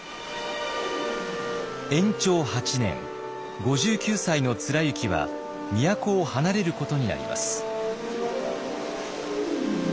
延長八年５９歳の貫之は都を離れることになります。